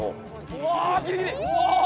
うわギリギリ！